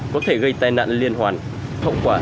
có thể gây tai nạn liên hoàn thậu quả